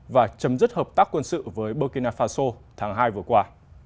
và chấm dứt hợp tác quân sự với burkina faso tháng hai vừa qua